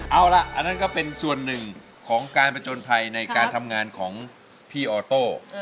เอาล่ะอันนั้นก็เป็นส่วนหนึ่งของการผจญภัยในการทำงานของพี่ออโต้